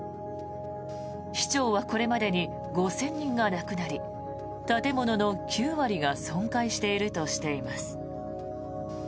市長はこれまでに５０００人が亡くなり建物の９割が損壊しているとしています。